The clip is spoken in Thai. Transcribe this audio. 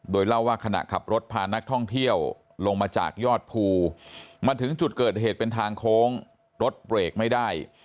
โดยเล่าว่าขณะขับรถพานักท่องเที่ยวลงมาจากยอดภูมาถึงจุดเกิดเหตุเป็นทางโค้งรถเบรกไม่ได้